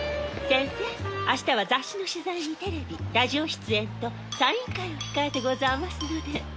センセ明日は雑誌の取材にテレビラジオ出演とサイン会を控えてござあますので。